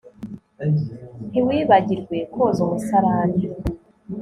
Ntiwibagirwe koza umusarani